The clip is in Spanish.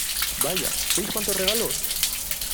¡ Vaya, veis cuántos regalos!